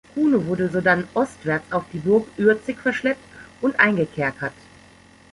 Kuno wurde sodann ostwärts auf die Burg Ürzig verschleppt und eingekerkert.